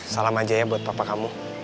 salam aja ya buat papa kamu